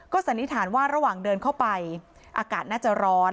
สันนิษฐานว่าระหว่างเดินเข้าไปอากาศน่าจะร้อน